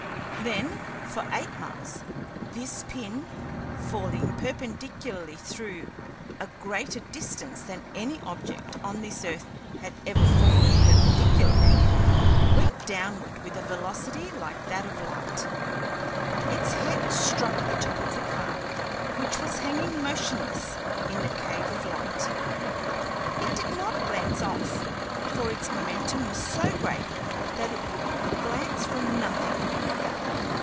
Then, for eight miles, this pin, falling perpendicularly through a greater distance than any object on this earth had ever fallen perpendicularly, went downward with a velocity like that of light. Its head struck the top of the car, which was hanging motionless in the cave of light; it did not glance off, for its momentum was so great that it would glance from nothing.